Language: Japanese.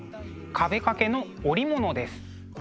壁掛けの織物です。